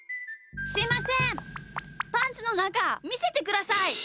すいませんパンツのなかみせてください！